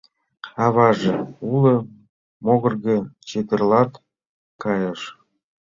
Аваже уло могырге чытырналт кайыш.